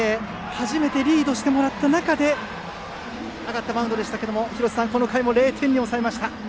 初めてリードしてもらった中で上がったマウンドでしたが廣瀬さん、この回も０点に抑えました。